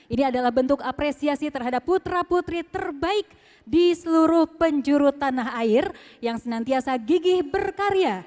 ini adalah bentuk apresiasi terhadap putra putri terbaik di seluruh penjuru tanah air yang senantiasa gigih berkarya